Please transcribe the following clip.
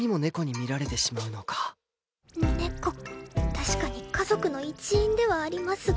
確かに家族の一員ではありますが